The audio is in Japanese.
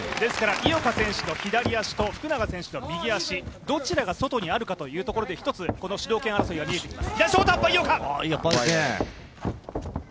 井岡選手の左足と福永選手の右足、どちらが外にあるかというところで主導権争いが見えてきます。